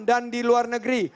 dan di luar negeri